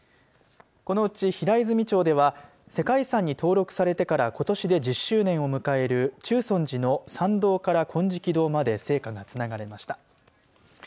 このうち平泉町では世界遺産に登録されてからことしで１０周年を迎える中尊寺の参道から金色堂まで聖火がつながれました。